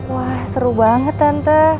wah seru banget tante